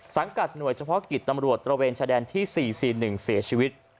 กัดหน่วยเฉพาะกิจตำรวจตระเวนชายแดนที่๔๔๑เสียชีวิต